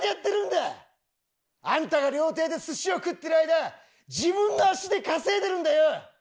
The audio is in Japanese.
あんたが料亭で寿司を食ってる間自分の足で稼いでるんだよ！